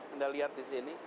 anda lihat disini